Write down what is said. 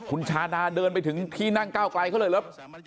คุณชาดาเดินไปถึงที่นั่งก้าวไกลเขาเลยแล้ว